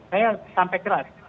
saya sampai keras